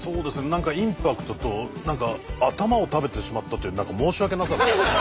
何かインパクトと何か頭を食べてしまったという何か申し訳なさ。